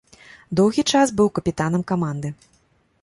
Доўгі час быў капітанам каманды.